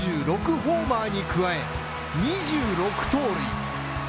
ホーマーに加え、２６盗塁。